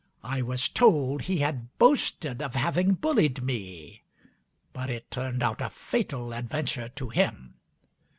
I was told he had boasted of having bullied me, but it turned out a fatal adventure to him.